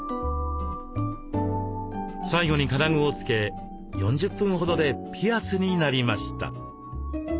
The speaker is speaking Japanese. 最後に金具を付け４０分ほどでピアスになりました。